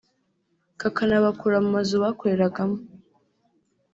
kakanabakura mu mazu bakoreragamo